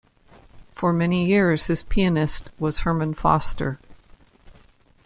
For many years his pianist was Herman Foster.